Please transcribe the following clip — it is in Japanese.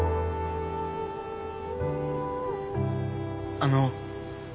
あの。